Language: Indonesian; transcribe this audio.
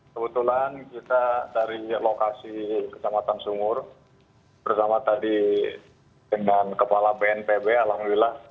kebetulan kita dari lokasi kecamatan sumur bersama tadi dengan kepala bnpb alhamdulillah